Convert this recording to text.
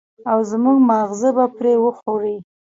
او زموږ ماغزه به پرې وخوري.